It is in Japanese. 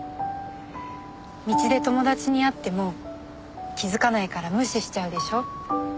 道で友達に会っても気づかないから無視しちゃうでしょ。